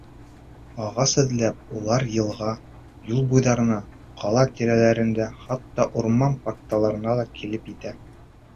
Ағас эҙләп, улар йылға, юл буйҙарына, ҡала тирәләренә, хатта урман-парктарға ла килеп етә.